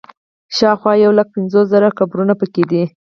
شاوخوا یو لک پنځوس زره قبرونه په کې دي.